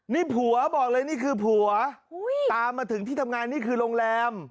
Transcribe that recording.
นี่ผัวบอกเลยนี่คือผัวตามมาถึงที่ทำงานนี่คือโรงแรม